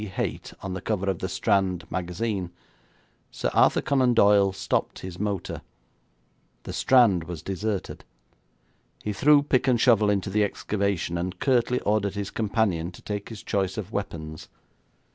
Haité on the cover of the Strand Magazine, Sir Arthur Conan Doyle stopped his motor. The Strand was deserted. He threw pick and shovel into the excavation, and curtly ordered his companion to take his choice of weapons.